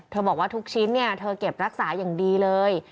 บอกว่าทุกชิ้นเธอเก็บรักษาอย่างดีเลย